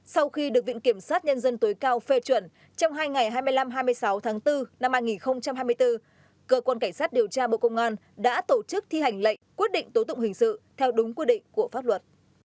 sau khi được viện kiểm sát nhân dân tối cao phê chuẩn trong hai ngày hai mươi năm hai mươi sáu tháng bốn năm hai nghìn hai mươi bốn cơ quan cảnh sát điều tra bộ công an đã tổ chức thi hành lệnh quyết định tố tụng hình sự theo đúng quy định của pháp luật